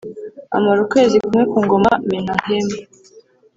amara ukwezi kumwe ku ngoma Menahemu